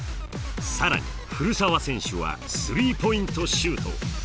更に古澤選手はスリーポイントシュート。